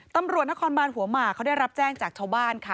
ตำรวจนครบานหัวหมากเขาได้รับแจ้งจากชาวบ้านค่ะ